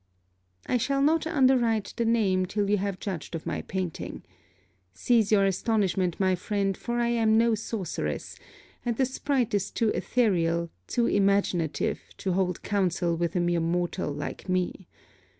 I shall not underwrite the name till you have judged of my painting. Cease your astonishment, my friend, for I am no sorceress, and the spright is too etherial, too imaginative, to hold counsel with a mere mortal like me.